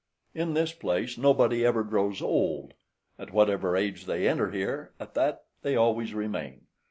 In this place nobody ever grows old: at whatever age they enter here, at that they always remain.